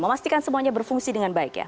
memastikan semuanya berfungsi dengan baik ya